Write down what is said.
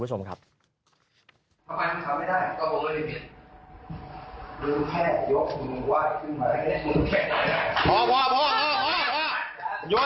ลูกน้องแคบทำไมมึงไม่ว่ายองค์